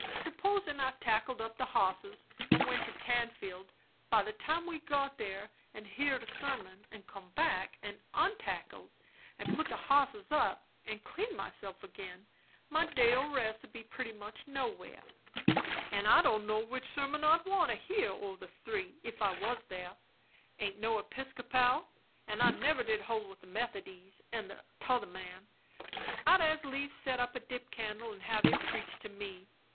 Suppos'n' I tackled up the bosses and went to Tanfield; by the time we got there, and heerd a sermon, and come back, and untackled, and put the hosses up and cleaned myself again, my day o' rest 'ud be pretty much nowhere. An' I don' know which sermon I'd want to hear, o' the three, if I was there. I aint no Episcopal; and I never did hold with the Methody's; and 'tother man, I'd as lieve set up a dip candle and have it preach to me.